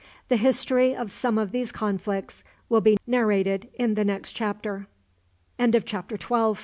The history of some of these conflicts will be narrated in the next chapter. CHAPTER XIII. ADVENT